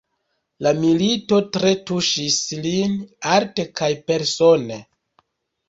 La milito tre tuŝis lin, arte kaj persone.